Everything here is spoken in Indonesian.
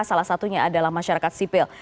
salah satunya adalah masyarakat sipil